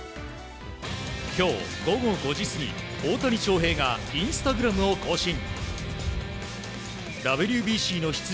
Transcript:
今日、午後５時過ぎ大谷翔平がインスタグラムを更新。